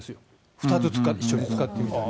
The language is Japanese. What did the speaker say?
２つ一緒に使ってみたり。